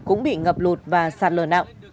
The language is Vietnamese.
cũng bị ngập lụt và sạt lờ nặng